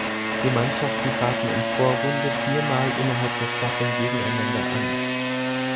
Die Mannschaften traten in Vorrunde vier Mal innerhalb der Staffeln gegeneinander an.